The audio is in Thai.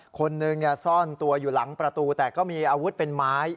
คนหนึ่งซ่อนตัวอยู่หลังประตูแต่ก็มีอาวุธเป็นไม้